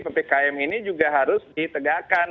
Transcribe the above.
ppkm ini juga harus ditegakkan